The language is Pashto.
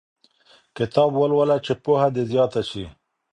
کتاب ولوله چي پوهه دې زیاته سي.